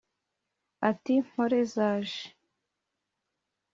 ati: mpore zaje